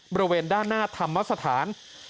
บริเวณด้านหน้าธรรมสถาน